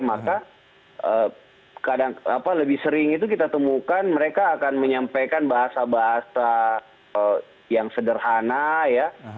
maka kadang apa lebih sering itu kita temukan mereka akan menyampaikan bahasa bahasa yang sederhana ya